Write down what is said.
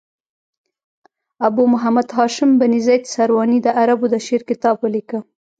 ابو محمد هاشم بن زید سرواني د عربو د شعر کتاب ولیکه.